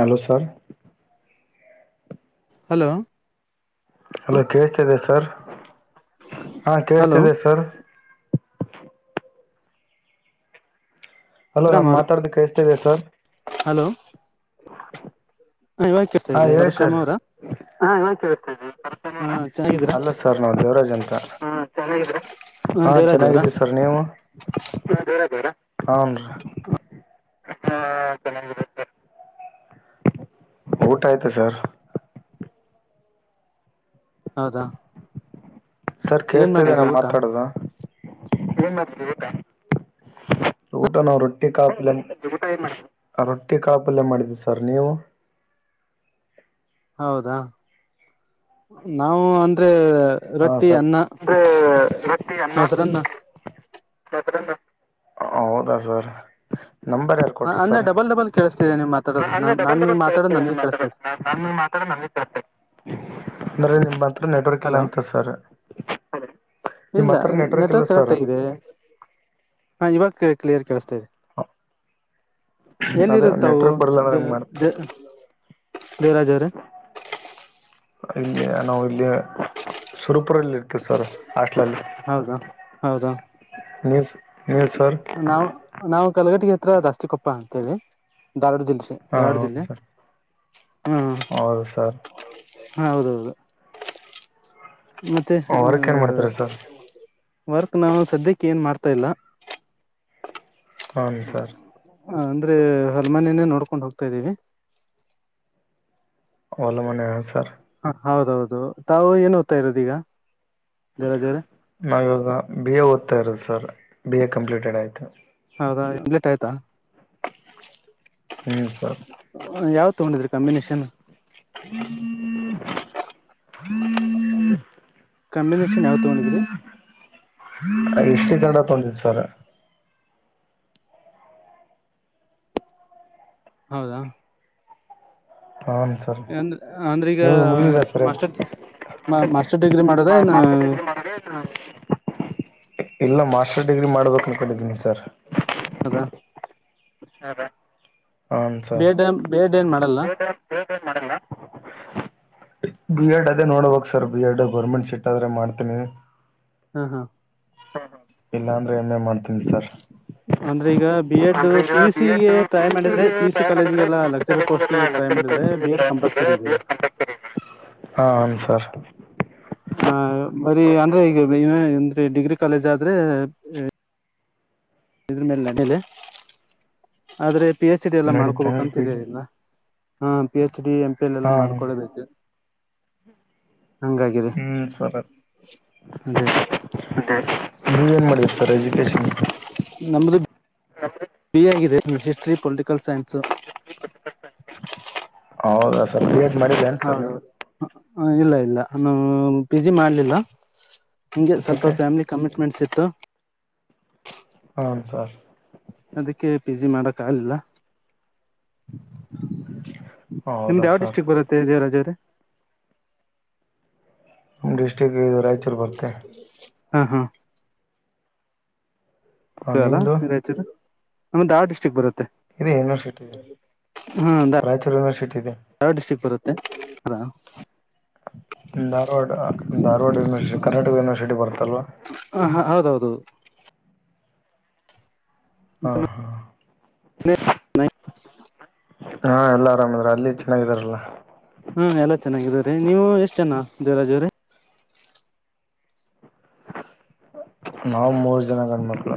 Hello sir. Hello. Hello ಕೇಳ್ತಿದೆ sir ಹಾ hello ಕೇಳತಿದ್ದಿದೆ ಸರ್. ಅಲೋ ರಾಮ್ ನಾನ್ ಅವ್ರ ಮಾತಾಆಡೋದು ಕೇಳ್ತಿದ್ಯಾ ಸರ್. ಹಲೋ. ಇವಾಗ ಕೇಳ್ತಾ ಹಾ ಇದೆ ಹೇಳಿ ಪರಶುರಾಮ್ ಸರ್ ಅವರ ಹಾ ಹಾ ಕೇಳುತ್ತಿದೆ. ಹ ಚೆನ್ನಾಗಿದ್ದೀರಾ ಅಲ್ಲ ಸರ್ ನಾವ್ ದೇವರಾಜ್ ಅಂತ [inaudible] ಹಾ ದೇವರಾಜ್ ಅವರಾ ಚೆನ್ನಾಗಿದ್ದೀ ಸರ್ ನೀವು. ಹನ್ ಹ ಚೆನ್ನಾಗಿರುತ್ತ. ಊಟ ಆಯ್ತಾ ಸರ್. ಹೌದಾ. ಸರ್ ಏನ್ ಕೇಳ್ತಾ ಇದ್ದ ನಾ ಮಾಡಿದ್ರಿ ಊಟ ಮಾತಾಡದ [inaudible] ಊಟ ನಾವು ರೊಟ್ಟಿ ಕಾಪಲ್ ರೊಟ್ಟಿ ಕಾಪಲ್ಯ ಮಾಡಿದ್ದವಿ ಸರ್ ನೀವು. [inaudible] ಹೌದಾ ನಾವು ಅಂದ್ರೆ ಹಾ ರೊಟ್ಟಿ ಸರಿ ಅನ್ನ ಮೊಸರನ್ನ [unintelligible] ಹೌದಾ ಸರ್. ನಂಬರ್ ಎಲ್ಲಿ ಅ- ಕೊಟರು ಅಂದ್ರೆ ಸರ್ ಡಬಲ್ ಡಬಲ್ ಕೇಳಿಸ್ತಿದೆ ನೀವು ಮಾತಾಡೋದು ಅನ್ನೇ ನಾನ್ ಡಬಲ್ ನಾನ್ ಡಬಲ್ ಮಾತಾಡೋದು ಕ್ತೇವಿ ನನಗೆ ಮಾತ ಕೇಳಿಸ್ತಾ ಇದೆ ನ ಮಾತಾ. [unintelligible] ನಮ ತರ್ [inaudible] ಅಂದ್ರೆ ನಿಮತ್ರ ನೆಟ್ವರ್ಕ್ ಇಲ್ಲ ಹಲೋ ಅಂತ ಸರ್ ನಿಮ್ಮ ಇಲ್ಲ ಹತ್ರ ಇಲ್ಲ ನೆಟ್ವರ್ಕ್ ಕರೆಕ್ಟ್ ಸರ್ ಆಗಿದೆ ಹಾ ಇವಾಗ ಕ್ಲಿಯರ್ ಕೇಳಿಸ್ತಾ ಇದೆ. ಹಾ ಎಲ್ಲಿರುತ್ತ ತಾವು ಅಂದ್ರೆ ಅ ಹೆಂಗೆ ಮಾಡಿ ದೇವರಾಜರ. ಇಲ್ಲಿ ನಾವು ಇಲ್ಲಿ ಸುರಪುರಲ್ಲಿ ಇರ್ತೇವಿ ಸರ್ ಹಾಸ್ಟಲ್ ಲೀ. ಹೌದಾ ಹೌದಾ ನ್ಯೂಸ್ ನಾವು ನಾವು ಕಲಗಟ್ಟಿಗೆ ಹತ್ರ ದಾಸ್ತಿಕೊಪ್ಪ ಅಂತ ಹೇಳಿ ಧಾರವಾಡ ಜಿಲ್ಲೆ. ಹಾಂ ಧಾರವಾಡ ಹೌದು ಜಿಲ್ಲೆ ಸರ್ ಹೌದು ಸರ್. ಹ ಹೌದ ಹೌದು ಮತ್ತೆ ಆ. ವರ್ಕ್ ಏನು ಮಾಡ್ತೀರಾ ಸರ್ ವರ್ಕ್ ನಾವು ಸದ್ಯಕ್ಕೆ ಏನ್ ಮಾಡ್ತಾ ಇಲ್ಲ. ಹ್ಞೂ ಸರ್ ಹ್ಮ್ ಅಂದ್ರೆ ಹರಮನಿನೇ ನೋಡ್ಕೊಂಡ್ ಹೋಗ್ತಾದೀವಿ ಒಲ್ಲ ಮನೆ ಹ ಸರ್. ಹೌದೌದು ತಾವು ಏನ್ ಓದ್ತಾ ಇರೋದೀಗ ನಾವಿವವಾಗ ಬಿ ಎ ಓದ್ತಾ ಇರೋದು ಸರ್ ಬಿ ಎ ಕಂಪ್ಲೀಟೆಡ್ ಆಯ್ತು. ಹೌದಾ ಲೇಟ್ ಆಯ್ತಾ. ಹ್ಮ್ ಸರ್. ಯಾವ ತಗೊಂಡಿದ್ರಿ ಕಾಂಬಿನೇಷನ್. ಹ್ಮ್ ಕಾಂಬಿನೇಷನ್ ಯಾವ್ ತಗೊಂಡಿದ್ರಿ ಹ್ಮ್. ಹಿಸ್ಟರಿ ಕನ್ನಡ ತಗೊಂಡುಸರ್. ಹೌದಾ ಹ್ನ್ ಸರ್ ಅಂದ್ರ ಅಂದ್ರೆ ಈಗ ನಿವುದು ಮುಗಿದಿದಾ ಸರ್ ಅದು ಮಾಸ್ಟರ್ ಮಾಸ್ಟರ್ [unintelligible] ಡಿಗ್ರಿ ಮಾಡೋದ ಮಾಸ ಏನ ಮಾಡಿದ್ರೆ ಇಲ್ಲ ಮಾಸ್ಟರ್ ಡಿಗ್ರಿ ಮಾಡಬೇಕ ಅನ್ಕಟ್ಟಿದ್ದೀನಿ ಸರ್. ಅದಾ ಅದೇ ಹನ್ ಬಿ ಸರ ಎಡ್ ಬಿ ಎಡ್ ಏನ್ ಮಾಡಲ್ಲ ಏನ್ ಮಾಡಲ್ಲ ಬಿ ಎಡ್ ಅದೇ ನೋಡ್ಬಕ್ sir B Ed government seat ಆದ್ರೆ ಮಾಡ್ತೀನಿ. ಹ ಹಾ ಇಲ್ಲಾ ಅಂದ್ರೆ ಎಮ್ಮೆ ಮಾಡ್ತೀನಿ ಸರ್. ಅಂದ್ರೆ ಈಗ. ಬಿ ಎಡ್ ಅಂದ್ರೆ ಈಗ P U B C Ed P try U ಮಾಡಿದರೆ ಸಿಗೆ ಪಿ ಯು ಸಿ ಜಾಯ್ನ್ ಮಾಡಿದರೆ ಕಾಲೇಜಿಗೆಲ್ಲ ಪಿ ಲೆಕ್ಚರ್ ಪೋಸ್ಟ್ ಟ್ರ ಮಾಡ್ರರೆ ಬಿ ಎಡ್ ಕಂಪ್ ಡೇಡ್ಟೆ [unintelligible] ಹ [inaudible] ಹ ಹನ್ ಸರ್. ಆ ಬರೀ ಅಂದ್ರೆ ಈಗಂದೀ ಡಿಗ್ರಿ ಕಾಲೇಜ್ ಆದ್ರೆ ಇದ್ರ ಮೇಲೆ ನನಲೆ ಆದ್ರೆ. ಪಿ ಹೆಚ್ ಡಿ ಎಲ್ಲ ನಡೀತಾ ಮಾಡ್ಕೋಬೇಕಂತ ಪಿ ಇದೇ ಜಿ ಇಲ್ಲ ಹಾ P H D M P L ಎಲ್ಲ ಹಾಂ ಮಾಡ್ಕೊಬೇಕು. ಹ್ಮ್ ಸರತ್. ಅದೇ ಮತ್ತ ನೀವ ಏನ್ ಮಾಡಿದೀರಿ ಸರ್ ಎಜುಕೇಶನ್ ಬಿಎ ಆಗಿದೆ ಹಿಸ್ಟ್ರಿ ಪೊಲಿಟಿಕಲ್ ಸೈನ್ಸು. ಸಿಯತ ಮಾಡ ಬನ್ ಸರ್ ನೀವು. ಇಲ್ಲ ಇಲ್ಲ ನ ಪಿ ಜಿ ಮಾಡ್ಲಿಲ್ಲ ನಿಂಗೆ ಸ್ವಲ್ಪ ಓಕೆ ಫ್ಯಾಮಿಲಿ ಕಮಿಟ್ಮೆಂಟ್ಸ್ ಸಿ. ತ್. ಹ್ಂ ಸರ್ ಅದಕ್ಕೆ ಪಿ ಜಿ ಮಾಡಕ್ ಆಗ್ಲಿಲ್ಲ. ಹೌದಾ ನಿಮ್ದ ಯಾವ ಸರ್ ಡಿಸ್ಟ್ರಿಕ್ ಬರುತ್ತೆ ಜೇರಾಜೇ ನಮ್ಮ ಡಿಸ್ಟ್ರಿಕ್ ಇದು ರಾಯಚೂರು ಬರ್ತ್ತೆ. ಹಾ ಹಾ ಹಾಂ ನಿಮ್ಮದು [unintelligible] ನಮ್ ವಾ ಡಿಸ್ಟ್ರಿಕ್ ಬರುತ್ತೆ ಇದೆ ಯೂನಿವರ್ಸಿಟಿ ಇದೆ ಹಾ ರಾಯಚೂರು ಯೂನಿವರ್ಸಿಟಿ ಇದೆ. ಹ ಧಾರವಾಡ ಧಾರವಾಡ ಯನಿವರ್ಸಿಟಿ ಕರ್ನಾಟಕ ಯೂನಿವರ್ಸಿಟಿ ಬರ್ತಲ್ವಾ. ಹೌದೌದು ಹಾ ಹಾ ಹಾ ಎಲ್ಲಾ ಆರಾಮದ್ರ ಅಲ್ಲಿ. ಚೆನ್ನಾಗಿದಾರಲ್ಲ. ಹ್ಮ ಎಲ್ಲಾ ಚೆನ್ನಾಗಿದವ್ರೀ ನೀವು ಎಷ್ಟ ಜೆನ ದೇವರಾಜು ಅವರ ನಾವ್ ಮೂರ್ ಜನ ಗಂಡ್ಮಕ್ಳ.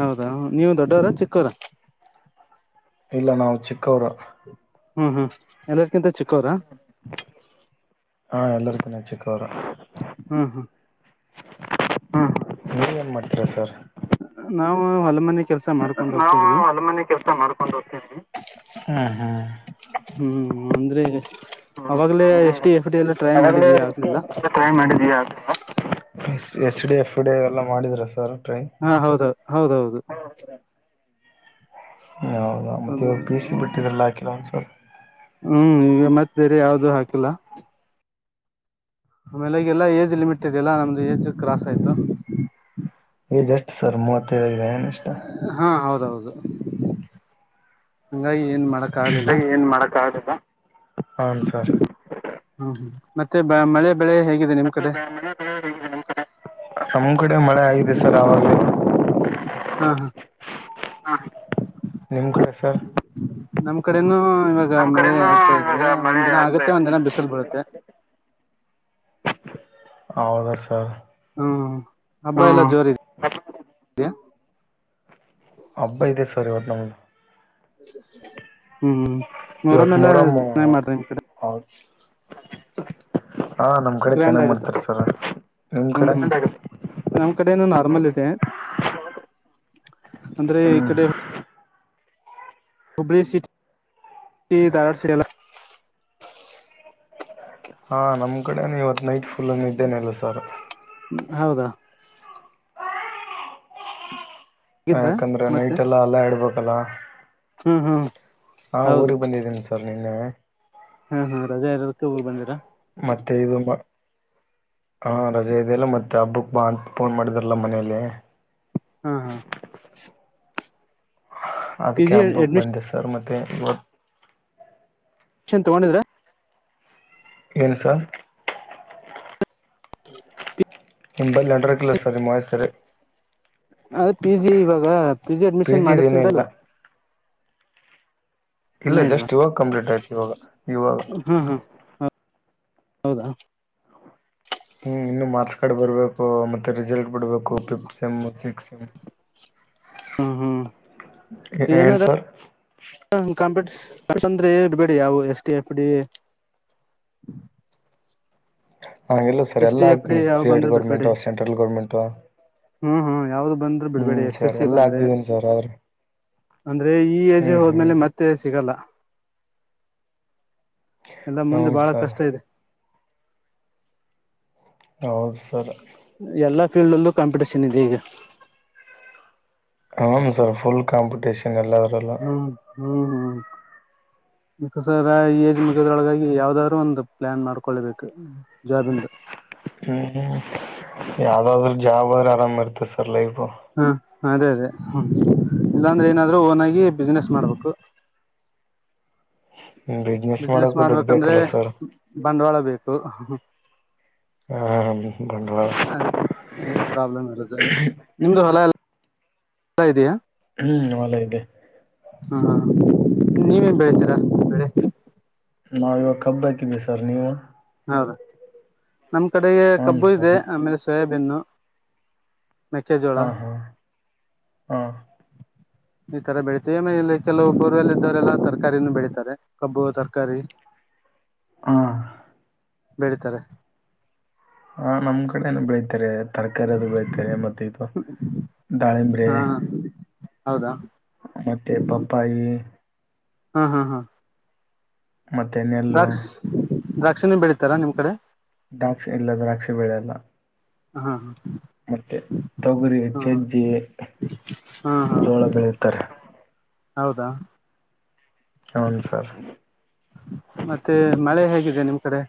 ಹೌದಾ ನೀವು ದೊಡ್ಡವರ ಚಿಕ್ಕವರ. ಇಲ್ಲ ನಾವು ಚಿಕ್ಕವರು. ಹ್ಮ್ ಹ್ಮ್ ಎಲ್ಲರ್ಕ್ಕಿಂತ ಚಿಕ್ಕೋರ. ಹಾ ಎಲ್ಲರ ತಿನ ಚಿಕ್ಕವರು. ಹಾ ಹಾ ಹ ನೀನ್ ಏನ್ ಮಾಡ್ತೀರಾ ಸರ್. ನಾವು ಹೊಲಮನೆಗೆ ನಾವು ಅಲ ಮನೆ ಕೆಲ್ಸ ಮಾಡ್ಕೊಂಡು ಹೋಗ್ತೇವಿ. ಹ್ಮ್ ಅಂದ್ರೆ ಅವಾಗ್ಲೇ ಹ್ಮ್ ಎಸ್ ಟಿ ಎಫ್ ಡಿ ಎಲ್ಲ ಟ್ರೈ ಮಾಡಿದ್ವಿ ಆಗ್ಲೇೈ ಆಗ್ಲಿಲ್ಲ [inaudible] ಮಾಡಿದೀಯಾ. ಎಸ್ ಡಿ ಎಫ ಡಿ ಎಲ್ಲ ಮಾಡಿದ್ರ ಸರ್. ಟ್ರೈ ಹಾ ಹೌದ -ಹೌದೌದು. ಹ ಹೌದಾ ಮತ್ತೆ ಅದು ಇವಾಗ ಪಿ ಸಿ ಬಿಟ್ಟಿದ್ರಲ್ಲ ಹಾಕಿಲ್ಲ ಒಂದುಸರ್. ಹ್ಮ್ ಈಗ ಮತ್ತ್ ಬೇರೆ ಯಾವ್ದು ಹಾಕಿಲ್ಲ. ಆಮೇಲೆ ಈ ಎಲ್ಲಾ ಏಜ್ ಲಿಮಿಟ್ ಇದೆ ಎಲ್ಲಾ ನಮ್ದು ಏಜ್ ಕ್ರಾಸ್ ಆಯ್ತು. ಸರ್ ಮೂವತ್ಯೆದಾ ಎಷ್ಟು ಹಾ ಹೌದೌದು ಹಂಗ ಏನ್ ಮಾಡಕ್ ಆಗ್ಲಿಲ್ಲ. ಏನ್ ಮಾಡಕ್ ಆಗಲ್ಲ ಹಾನ್ ಸರ್ ಹ್ಮ ಹ್ಮ ಮತ್ತೆ ಬ ಮಳೆ ಬೆಳೆ ಹೇಗಿದೆ ನಿಮ್ ಮತ್ತೆ ಕಡೆ [unintelligible] ಕಡೆ ಮಳೆ ಆಗಿದೆ ಸರ್ ಅವಾಗ್ಲೇ ಹಾ ಹ [inaudible] ನಿಮ್ ಕಡೆ ಸರ್ ನಮ್ ಕಡೆನು ನಮ್ ಕಡೆನೂ ಈವಾಗ ಮಳೆ ಆಗ್ತಾ ಆಗತ್ತೆ ಒಂದ್ ಇದೆ. ದಿನ ಬಿಸಿಲು ಬೀಳುತ್ತೆ ಹೌದಾ ಸರ್. ಹ್ಮ್ ಹಬ್ಬ ಎಲ್ಲಾ ಹ್ಮ್ ಜೋರ [inaudible] ಮತ್ತೆ ಹಬ್ಬ ಇದೆ ಸರ್ ಇತ್ತು ನಮದು. [inaudible] ಹ್ಮ್ ನೋರ ಇವತ್ತು ಮೆಲ್ಲ ಮೊಹರಮ್ ಚನಗ್ ಮಾಡ್ರಿ ನಿಮ ಕಡೆ. ಹೌದು ಹಾ ನಮ್ ಕಡೆ ಗ್ರ್ಯಾಂಡ್ ಚೆನ್ನಾಗ್ ಆಗುತ್ತೆ ಮಾಡ್ತಾರೆ ಸರ್ ನಿಮ್ ಹ್ಮ್ ಕಡೆ. ಹ್ಮ್ ನಮ್ ಕಡೆೆಯಿಂದ ನರ್ಮಲ್ ಇದೆ. ಹ್ಮ್ ಅಂದ್ರೆ ಈ ಹ್ಮ್ ಕಡೆ ಹುಬ್ಳ ಸಿಟಿ ದಾರವಾಡ ಸ್ಯೆಡೇಲ ಹಾ ನಮ್ ಕಡೆನು ಇವತ್ ನೈಟ್ ಫುಲ್ನ್ನು ನೀದ್ದೇನೆಲ್ಲ ಸರ್ ಹೌದಾ ಹೋಗಿದ್ರಾ ಯಾಕಂದ್ರೆ ಮತ್ತೆ ನೈಟ್ ಎಲ್ಲ ಅಲ್ಲಾ ಇಡ್ಬೇಕಲ್ಲ ಹ್ಮ್ ಹ್ಮ್ ಹಾ ಹೌದು ಊರಿಗೆಗ್ ಬಂದಿದ್ದೀನಿ ಸರ್ ನಿನ್ನ ಹಾ -ಹಾ ರಜಾ ಇರದಕ್ಕೆ ಹೋರಿಗ್ ಬಂದಿದಿರಾ. ಮತ್ತೆ ಇದು ಹಾ ರಜೆ ಇದೆಯಲ್ಲ ಮತ್ತೆ ಹಬ್ಬಕ್ ಬಾ ಅಂತ ಫೋನ್ ಮಾಡಿದಾರಲ್ಲ ಮನೆಯಲ್ಲಿ. ಹಾ ಹಾ ಅದ P G cab book admission ಬಂದೆ ಸರ್ ಮತ್ತೆ ಇವತ್ತು ಚನ್ ತಗೊಂಡಿದ್ರಾ ಏನ್ ಸರ್ ಹ [inaudible] ಎಂಬೈ ಎಂ [unintelligible] ಡರ ಕಲ್ಲ ಸರಿ ಮಸರ್. ಅದ ಪಿ ಜಿ ಇವಾಗ ಪಿ ಜಿ ಅಡ್ಮಿಷನ್ ಮಾಡಿಸಿದ್ರಲ್ವ ಇಲ್ಲ ಜಸ್ಟ್ ಇವಾಗ ಕಂಪ್ಲೀಟ್ ಆಯ್ತು ಇವಾಗ ಇವಾಗ ಹಾ- ಹಾ ಹ [inaudible] ಹೌದಾ ಹ್ಮ್ ಇನ್ನು ಮಾರ್ಕ್ಸ್ ಕಾರ್ಡ್ ಬರ್ಬೇಕು ಮತ್ತೆ ರಿಸಲ್ಟ್ ಬಿಡ್ಬೇಕು ಫಿಫತ್ ಸೆಮ್ ಸಿಕ್ಸ್ತ್ ಸೆಮ್ ಹ್ಮ್ -ಹ್ಮ್ ಏನ್ ಏನದ ಸರ್ [inaudible] ಕಂಪಿಟೇಷನ್ ೆಬೇಡಿ ಯಾವವು ಎಸ್ ಡಿ ಎಫ್ ಡಿ ಹಗೆಲ್ಲ ಸರ್ ಎಸ್ ಎಲ್ಲ ಟಿ ಎಫ್ ಡಿ ಆಗ್ತೀನಿ ಯಾವ ಸ್ಟೇಟ್ ಬಂದ್ರೆ ಬಿಡ್ಬೇಡಿ ಗೌರ್ಮೆಂಟು ಸೆಂಟ್ರಲ್ ಗೌರ್ಮೆಂಟು ಹ್ಮ್ ಹ್ಮ್ ಯಾವ್ದು ಬಂದ್ರು ಬಿಡ್ಬೇಡಿ ಹ್ಮ್ ಎಸ್ ಸರ್ ಎಸ್ ಸಿ ಎಲ್ಲ ಬಂದ್ರೆ ಹಾಕ್ತಿದ್ದೀನಿ ಸರ್ ಆದ್ರೆ ಅಂದ್ರೆ ಈ ಏಜ್ ಹ್ಮ್ ಹ್ಮ್ ಹೋದ್ಮೇಲೆ ಮತ್ತೆ ಸಿಗಲ್ಲ ಎಲ್ಲ ಹ್ಞೂ ಮುಂದೆ ಬಹಳ ಸರ್ ಕಷ್ಟ ಇದೆ ಹೌದು ಸರ್ ಫೀಲ್ಡ್ಲ್ಲೂ ಕಾಂಪಿಟಷನ್ ಇದೆ ಈಗ ಹನ್ ಸರ್ ಫುಲ್ ಕಾಂಪಟೀಷನ್ ಎಲ್ಲರಲ್ಲ ಹ್ಮ್ ಹ್ಮ್ ಹ್ಮ್ ಮಸರ ಏಜ್ ಮುಗಿಯದ್ರೊಳಗಾಗಿ ಯಾವ್ದಾದ್ರು ಒಂದು ಪ್ಲಾನ್ ಮಾಡ್ಕೊಳ್ಬೇಕು ಜಾಬಿಂದು ಹ್ಮ್ ಹ್ಮ್ ಯಾವ್ದಾದ್ರರು ಜಾಬ್ ಆದ್ರೆ ಆರಾಮ ಇರ್ತ ಸರ್ ಲೈಫ್ ಹಾ ಅದೇ ಅದೇ ಹ ಇಲ್ಲಾಂದ್ರೆ ಏನಾದ್ರು ಓನ್ ಆಗಿ ಬಿಸ್ನೆಸ್ ಮಾಡ್ಬೇಕು [inaudible] ಬಿಸ್ನೆಸ್ ಮಾಡಕು ದುಡ್ ಮಾಡ್ಬೇಕಂದ್ರೆ ಬೇಕಲ್ಲ ಸರ್ ಬಂಡವಾಳ ಬೇಕು ಹ ಬಂಡವಾಳ ಅದೇ ಅದೆ ಪ್ರಾಬ್ಲಮ್ ಇರದು ನಿಮ್ದು ಹೊಲ ಎತ ಇದಯಾ ಹ್ಮ್ ಅವಲ ಇದೆ ಹಾ ನೀವೇ ಬೆಳ್ತೀರಾ ನಾವ ಇವಾಗ ಕಬ್ಬ ಹಾಕಿದೀವಿ ಸರ್ ನೀವು ಹೌದಾ ನಮ್ಮ ಕಡೆಗೆ ಹನ್ ಕಬ್ಬು ಇದೆ ಸರ್ ಆಮೇಲೆ ಸೋಯಾಬೀನ್ನು ಮೆಕ್ಕೆಜೋಳ ಹಾ ಹಾ ಹಾ ಹ ಈ ತರ ಬೆಳಿತವಿಮ ಇಲ್ಲಿ ಕೆಲವು ಗುರಲ್ಲ ಇದ್ದವರೆಲ್ಲ ತರಕಾರಿನೂ ಬೆಳಿತಾರೆ ಕಬ್ಬು ತರಕಾರಿ ಹ ಹಾ ಬಡಿತಾರೆ ಹಾ ನಮ್ ಕಡೆನ ಬೆಳತಾರೆ ತರಕಾರಿ ಅದು ಬಯ್ತಾರೆ ಮತ್ತೆ ಇದು ದಾಳಿಂಬ್ರೆ ಹಾ ಹೌದಾ ಮತ್ತೆ ಪಪ್ಪಾಯಿ ಹಾ ಹಾ ಹಾ ಮತ್ತೆನೆಲ್ಲು. ದ್ರಾಕ್ಷಿಣೆ ಬೆಳೀತಾರಾ ನಿಮ್ ಕಡೆ ದ್ರಾಕ್ಷಿ ಇಲ್ಲ ದ್ರಾಕ್ಷಿ ಬೆಳೆ ಯಲ್ಲ. ಹ್ಮ ಹಾ ಮತ್ತೆ ತೊಗರಿ ಹಾ ಚಜ್ಜಿ. ಹಾ ಜೋಳ ಬೆಳುತ್ತಾರೆ. ಹೌದಾ ಹೌನ್ ಸರ್. ಮತ್ತೆ ಮಳೆ ಹೇಗಿದೆ ನಿಮ್ ಕಡೆ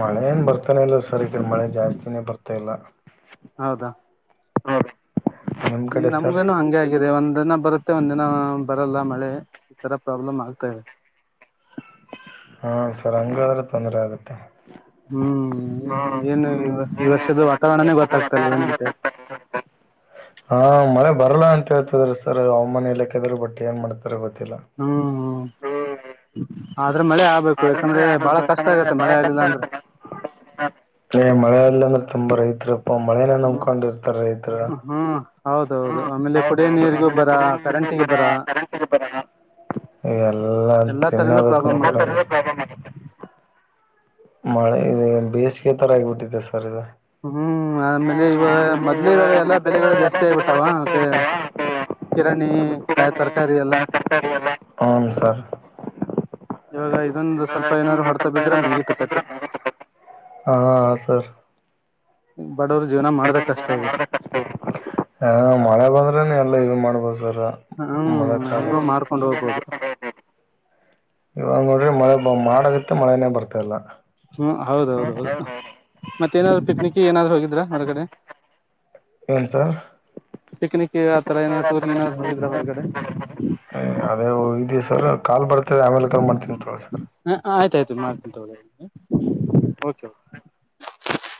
ಮಳೆ ಏನ್ ಬರ್ತಾನೆ ಇಲ್ಲ ಸರ್ ಈಡೆ ಮಳೆ ಜಾಸ್ತಿನೇ ಬರ್ತಾ ಇಲ್ಲ. ಹೌದಾ ಹಾ ಈಗ ನಮ್ಗೇನು ಹಂಗೆ ಆಗಿದೆ ಒಂದ ದನ ಬರು. ಮತ್ತೆ ಒಂದ್ ದಿನ ಬರಲ್ಲ ಮಳೆ ಈಥರ ಪ್ರಾಬ್ಲಮ್ ಆಗ್ತವೆ. ಹಾ ಸರ್ ಹಂಗಾದ್ರೆ ತೊಂದ್ರ ಆಗುತ್ತೆ. ಹ್ಮ್ ಏನು ಈ ವರ್ಷದ ವಾತಾವರಣನೇ ಗೊತ್ತಾಗ್ತಲ್ಲ ಏನಂತ ಹೇಳಿ ಹಾ ಮಳೆ ಬರಲ್ಲ ಅಂತ ಹೇಳ್ತದ್ರ ಸರ್ ಹವಾಮಾನ ಇಲಾಖೆ ಇದ್ರರು ಬಟ್ಟಿ ಏನ್ ಮಾಡ್ತ ಪರವತಿಲ್ಲ ಹ್ಮ್ ಹ್ಮ. ಆದ್ರೆ ಮಳೆ ಆಗ್ಬೇಕು ಯಾಕಂದ್ರೆ ಬಾಳ ಕಷ್ಟ ಆಗತ್ತ ಮಳೆ ಆಗ್ಲಿಲ್ಲ ಅಂದ್ರೆ. ಏ ಮಳೆಲ್ಲಾ ಅಂದ್ರೆ ತುಂಬಾ ರೈತಪ್ಪ ಮಳೆನ ಹ್ಮ್ ನಂಬಕೊಂಡಿರ್ತಾರ ರೈತ. ಹ್ಮ್ ಹೌದೌದು ಆಮೇಲೆ ಕುಡಿಯ ನೀರಿಗೂ ಬರ ಕುಡಿಯ ಕರೆಂಟಗ ಬರ. ಎಲ್ಲಾ ತರಿಂದ ಚಿನ್ನದಕ್ಕ ಪ್ರಾಬ್ಲಮ್ ಆಗುತ್ತೆ [unintelligible] ಮಳೆ ಇ ಬೇಸಿಗೆ ತರ ಆಗಿಬಿಟ್ಟಿದೆೆ ಸರ್ ಇದು ಹ್ಮ್ ಆಮೇಲೆ ಇವಾಗ ಮೊದ್ ಇವಾಗ ಎಲ್ಲಾ ಬೆಲೆಗಳು ಜಾಸ್ತಿ ಆಗ್ಬಿಟ್ಟಾವ. ಕಿರಾಣಿ ಕಾಯಿ ತರಕಾರಿ ಎಲ್ಲ [inaudible] ಹನ್ ಸರ್ ಇವಾಗ ಇದೊಂದು ಸ್ವಲ್ಪ ಹಾಂ ಏನಾದ್ರು ಹೊಡ್ತ ಬಿದ್ರೆ ಮುಗೀತುಕತಿ. ಹಾ ಸರ್. ಬಡವರು ಜೀವನ ಮಾಡದ ಕಷ್ಟ ಇದೆ [unintelligible] ಹ ಮಳೆ ಬಂದ್ರೇನ ಎಲ್ಲ. ಇದು ಮಾಡ್ಬೋದು ಸರ್ ಮಳೆ ಹ್ಮ ಚಾಲು ಹೆಂಗೋ ಮಾಡ್ಕೊಂಡ್ ಹೋಗ್ಬೋದು. ಮಾಡಗಿತ್ತ ಮಳೆನೇ ಬರ್ತಾ ಇಲ್ಲ ಹ್ಮ ಹೌದೌದ ಹ್ಮ್ ಹೌದು ಹೌದೌದು ಮತ್ತ ಏನಾದ್ರು ಪಿಕ್ನಿಕ್ ಏನಾದ್ರು ಹೋಗಿದ್ರಾ ಹೊರಗಡೆ. ಏನು ಸರ್ ಪಿಕ್ನಿಕ್ ಆತರ ಏನಾದ ಟೂರ್ ಥರ ಏನಾದ್ರು ಹೋಗಿದ್ರ ಹೊರಗಡೆ. ಹ ಸರ್ ಕಾಲ್ ಬರ್ತದೆ ಆಮೇಲೆ ಕಾಲ್ ಮಾಡ್ತೀನಿ ತೊಳ ಸರ್. [inaudible] ಮಾಡ್ತೀನಿ ತಗೋಳಿ ಓಕೆ ಓಕೆ